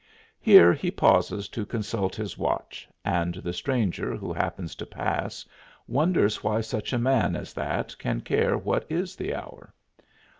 Here he pauses to consult his watch and the stranger who happens to pass wonders why such a man as that can care what is the hour.